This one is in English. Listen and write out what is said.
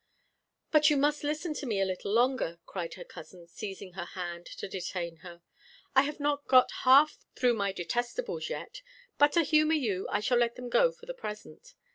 "But you must listen to me a little longer," cried her cousin, seizing her hand to detain her. "I have not got half through my detestables yet; but to humour you, I shall let them go for the present.